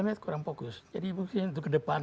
saya kurang fokus jadi mungkin untuk ke depan